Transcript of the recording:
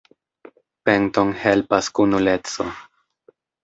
Penton helpas kunuleco.